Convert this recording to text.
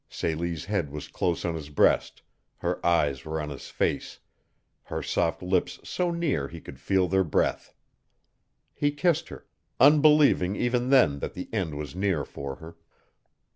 Celie's head was close on his breast, her eyes were on his face, her soft lips so near he could feel their breath. He kissed her, unbelieving even then that the end was near for her.